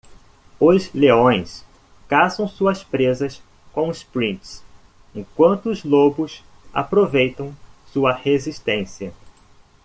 Os leões caçam suas presas com sprints?, enquanto os lobos aproveitam sua resistência.